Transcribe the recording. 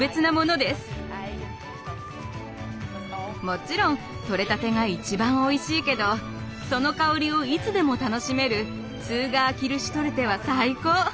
もちろんとれたてが一番おいしいけどその香りをいつでも楽しめるツーガー・キルシュトルテは最高！